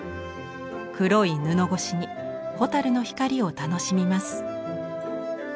黒い布越しに蛍の光を楽しみます。